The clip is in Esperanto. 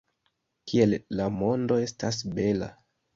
Kiel la mondo estas bela!